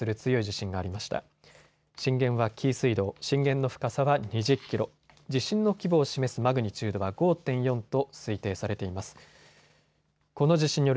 震源は紀伊水道、震源の深さは２０キロ、地震の規模を示すマグニチュードは５．４と推定されています。